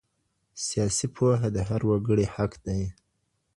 سیاسي پوهه د هر وګړي حق دی.